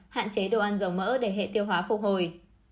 hạn chế đồ ăn dầu mỡ để hệ tiêu hóa phục hồi